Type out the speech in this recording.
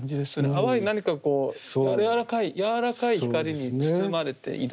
淡い何かこう柔らかい光に包まれている。